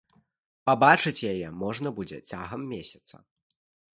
Пабачыць яе можна будзе цягам месяца.